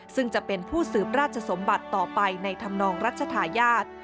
ซึ่งจะเป็นผู้สืบราชสมบัติต่อไปในธรรมนองรัชธาญาติ